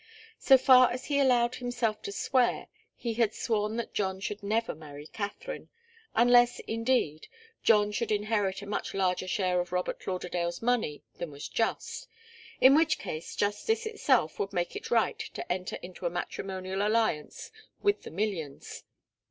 So far as he allowed himself to swear, he had sworn that John should never marry Katharine unless, indeed, John should inherit a much larger share of Robert Lauderdale's money than was just, in which case justice itself would make it right to enter into a matrimonial alliance with the millions.